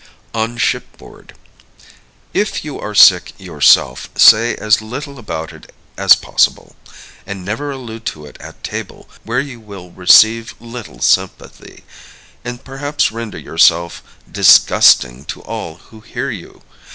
On Shipboard. If you are sick yourself, say as little about it as possible. And never allude to it at table, where you will receive little sympathy, and perhaps render yourself disgusting to all who hear you.